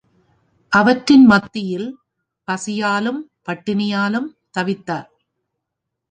அவற்றின் மத்தியில் பசியாலும் பட்டினியாலும் தவித்தார்.